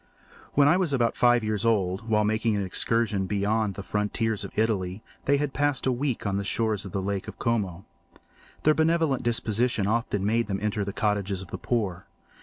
When I was about five years old, while making an excursion beyond the frontiers of Italy, they passed a week on the shores of the Lake of Como. Their benevolent disposition often made them enter the cottages of the poor.